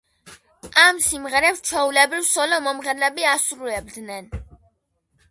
ამ სიმღერებს, ჩვეულებრივ, სოლო მომღერლები ასრულებდნენ.